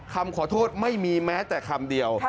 คำขอโทษไม่มีแม้แต่คำเดียว